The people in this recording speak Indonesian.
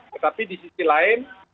tetapi di sisi lain